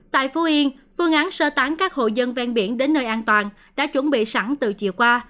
tại phú yên phương án sơ tán các hộ dân ven biển đến nơi an toàn đã chuẩn bị sẵn từ chiều qua